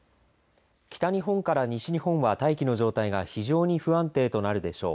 北日本から西日本は大気の状態が非常に不安定となるでしょう。